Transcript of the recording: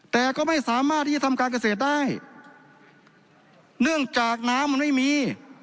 แต่ก็ไม่สามารถที่จะทำการเกษตรได้เนื่องจากน้ำมันไม่มี